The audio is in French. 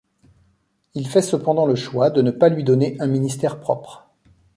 Il fait cependant le choix de ne pas lui donner un ministère propre.